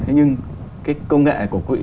thế nhưng công nghệ của quỹ